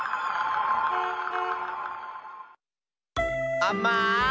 あまい！